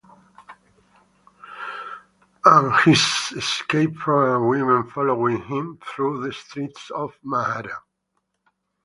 And his escape from a women following him through the streets of Manhattan.